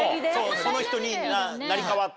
その人に成り代わって。